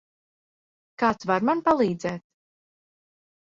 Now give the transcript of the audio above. Kāds var man palīdzēt?